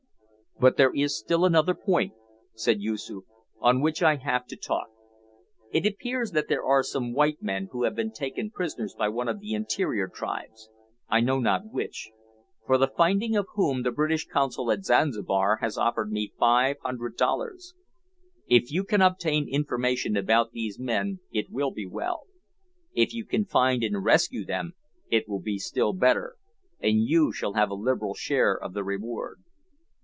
"But there is still another point," said Yoosoof, "on which I have to talk. It appears that there are some white men who have been taken prisoners by one of the interior tribes I know not which for the finding of whom the British consul at Zanzibar has offered me five hundred dollars. If you can obtain information about these men it will be well. If you can find and rescue them it will be still better, and you shall have a liberal share of the reward."